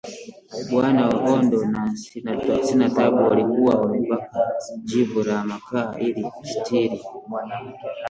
Bwana Ondo na Sinatabu walikuwa wamepaka jivu la makaa ili kusitiri